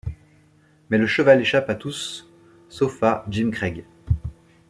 Mais le cheval échappe à tous sauf à Jim Craig.